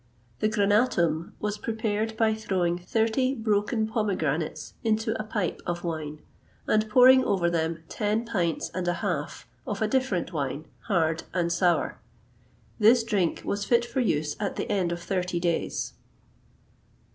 [XXVIII 126] The Granatum was prepared by throwing thirty broken pomegranates into a pipe of wine, and pouring over them ten pints and a half of a different wine, hard and sour. This drink was fit for use at the end of thirty days.